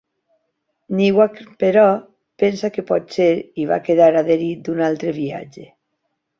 Newark, però pensa que potser hi va quedar adherit d'un altre viatge.